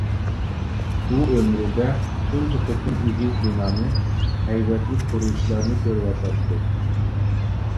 ئۇ ئۆمرىدە تۇنجى قېتىم ئېگىز بىنانى، ھەيۋەتلىك قۇرۇلۇشلارنى كۆرۈۋاتاتتى.